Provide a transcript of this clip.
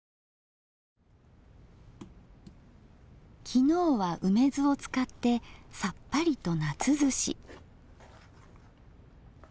昨日は梅酢を使ってさっぱりと夏ずし。